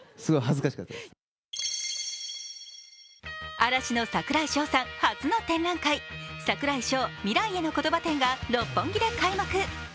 嵐の櫻井翔さん初の展覧会、「櫻井翔未来への言葉展」が六本木で開幕。